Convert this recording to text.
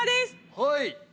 はい！